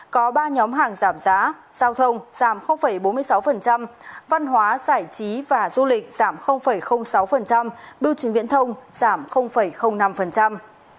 có ba nhóm hàng giảm giá giao thông giảm bốn mươi sáu văn hóa giải trí và du lịch giảm sáu bưu chính viễn thông giảm năm